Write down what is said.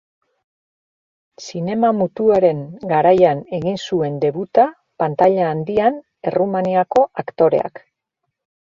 Zinema mutuaren garaian egin zuen debuta pantaila handian Errumaniako aktoreak.